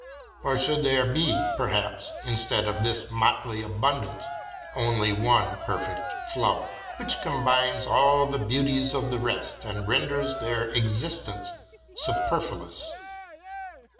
Or should there be, perhaps, instead of this motley abundance, only one perfect flower, which combines all the beauties of the rest and renders their existence superfluous?